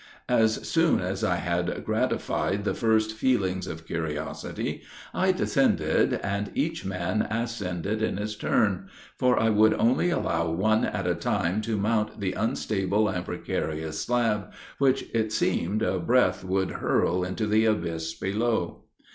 As soon as I had gratified the first feelings of curiosity, I descended, and each man ascended in his turn; for I would only allow one at a time to mount the unstable and precarious slab, which, it seemed, a breath would hurl into the abyss below.